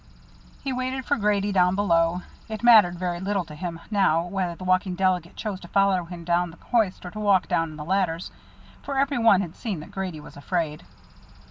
He waited for Grady down below. It mattered very little to him now whether the walking delegate chose to follow him down the hoist or to walk down on the ladders, for every one had seen that Grady was afraid.